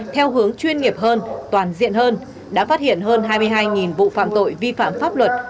theo hướng chuyên nghiệp hơn toàn diện hơn đã phát hiện hơn hai mươi hai vụ phạm tội vi phạm pháp luật